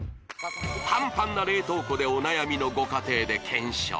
パンパンな冷凍庫でお悩みのご家庭で検証